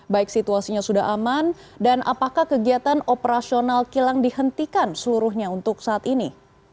baik situasinya sudah aman dan apakah kegiatan operasional kilang dihentikan seluruhnya untuk saat ini